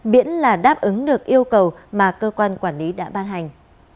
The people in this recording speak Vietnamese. miễn là đáp ứng được yêu cầu mà cơ quan quản lý đã ban hành